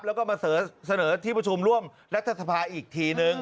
แล้วก็มาเสนอที่ประชุมร่วมรัฐสภาอีกทีนึง